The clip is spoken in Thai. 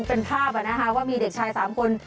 เป็นภาพว่ามีเด็กชาย๓คน